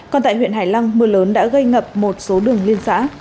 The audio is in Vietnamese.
còn tại huyện hải lăng mưa lớn đã gây ngập một số đường liên xã